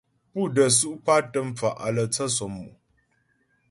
Pú də́ su' kwatə mfa' á lə́ tsə sɔmmò.